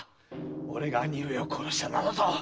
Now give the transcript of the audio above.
俺が兄上を殺したなどと。